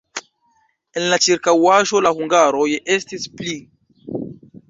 En la ĉirkaŭaĵo la hungaroj estis pli.